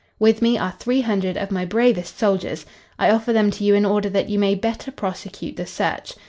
With me are three hundred of my bravest soldiers. I offer them to you in order that you may better prosecute the search.